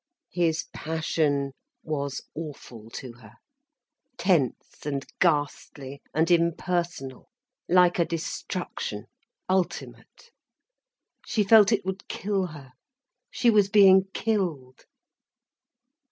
His passion was awful to her, tense and ghastly, and impersonal, like a destruction, ultimate. She felt it would kill her. She was being killed.